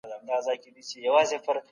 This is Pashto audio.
موږ به نه دریږو.